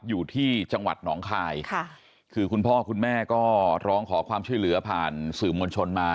อยู่ที่จังหวัดหนองคายค่ะคือคุณพ่อคุณแม่ก็ร้องขอความช่วยเหลือผ่านสื่อมวลชนมา